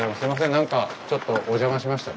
何かちょっとおじゃましました。